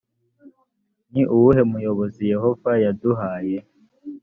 ni uwuhe muyobozi yehova yaduhaye